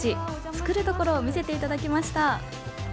作るところを見せていただきました。